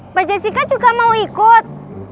mbak jess ini kan juga mau ikut